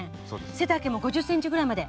背丈も５０ｃｍぐらいまで。